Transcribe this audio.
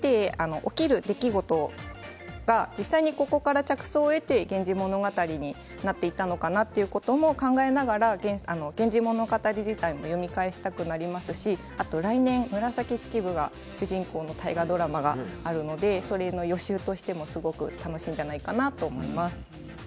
起きる出来事がここから着想を得て「源氏物語」になっていたのかなと考えながら「源氏物語」自体を読み返したくなりますし来年紫式部が主人公の大河ドラマがありますのでその予習としてもいいんじゃないかと思います。